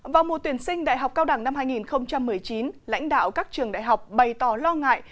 vào mùa tuyển sinh đại học cao đẳng năm hai nghìn một mươi chín lãnh đạo các trường đại học bày tỏ lo ngại